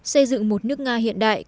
xây dựng một nước nga hiện đại